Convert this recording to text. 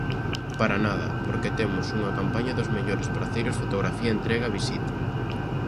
Para nada, porque temos unha campaña dos mellores praceiros, fotografía, entrega, visita.